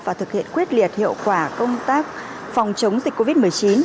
và thực hiện quyết liệt hiệu quả công tác phòng chống dịch covid một mươi chín